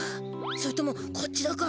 それともこっちだか？